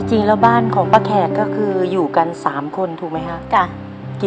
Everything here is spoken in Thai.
จริงแล้วบ้านของป๊าแขกคืออยู่กัน๓คนถูกมั้ยครับ